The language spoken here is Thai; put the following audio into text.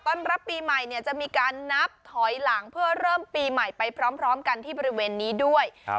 รับปีใหม่เนี่ยจะมีการนับถอยหลังเพื่อเริ่มปีใหม่ไปพร้อมกันที่บริเวณนี้ด้วย